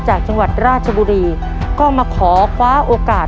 จังหวัดราชบุรีก็มาขอคว้าโอกาส